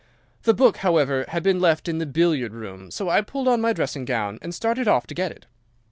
The book, however, had been left in the billiard room, so I pulled on my dressing gown and started off to get it.